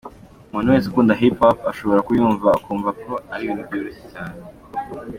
Umuntu wese ukunda Hip Hop ashobora kuyumva akumva ari ibintu biryoshye cyane.